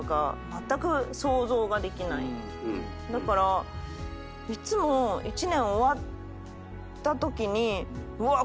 だからいつも１年終わったときにうわっ！